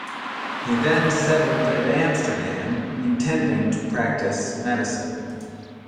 He then settled at Amsterdam, intending to practice medicine.